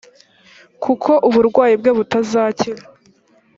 kuko uburwayi bwe butazakira